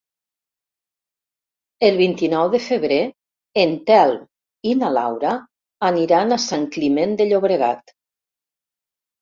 El vint-i-nou de febrer en Telm i na Laura aniran a Sant Climent de Llobregat.